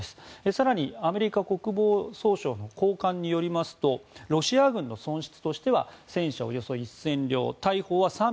更に、アメリカ国防総省の高官によりますとロシア軍の損失としては戦車およそ１０００両大砲は